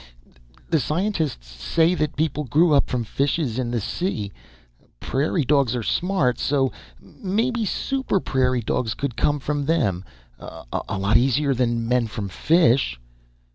The scientists say that people grew up from fishes in the sea. Prairie dogs are smart. So maybe super prairie dogs could come from them. A lot easier than men from fish...."